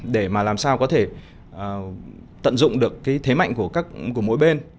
để mà làm sao có thể tận dụng được cái thế mạnh của mỗi bên